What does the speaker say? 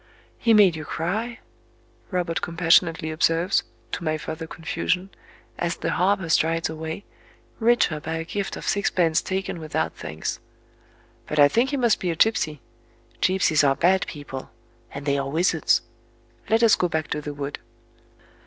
"He made you cry," Robert compassionately observes, to my further confusion,—as the harper strides away, richer by a gift of sixpence taken without thanks... "But I think he must be a gipsy. Gipsies are bad people—and they are wizards... Let us go back to the wood."